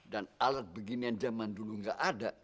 dan alat beginian zaman dulu nggak ada